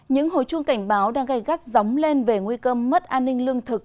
những hồi chuông cảnh báo đang gây gắt gióng lên về nguy cơ mất an ninh lương thực